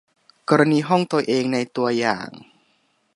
กรณีห้องตัวเองในตัวอย่าง